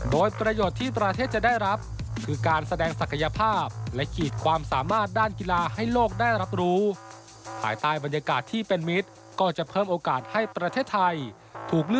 โดยประโยชน์ที่ตราเทศจะได้รับ